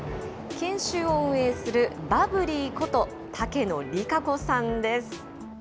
研修を運営する、バブリーこと、竹野理香子さんです。